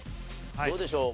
どうでしょう？